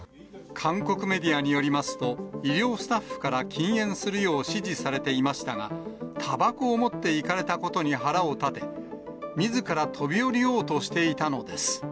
韓国メディアによりますと、医療スタッフから禁煙するよう指示されていましたが、たばこを持っていかれたことに腹を立て、みずから飛び降りようとしていたのです。